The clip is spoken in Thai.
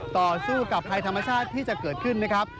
ต่อสู้กับภัยธรรมชาติที่จะเกิดขึ้นนะครับ